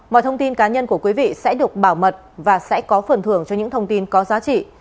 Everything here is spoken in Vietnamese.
mọi thông tin cá nhân của quý vị sẽ được bảo mật và sẽ có phần thưởng cho những thông tin có giá trị